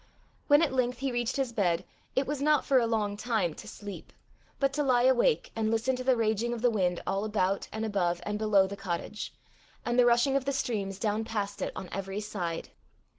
When at length he reached his bed, it was not for a long time to sleep, but to lie awake and listen to the raging of the wind all about and above and below the cottage, and the rushing of the streams down past it on every side.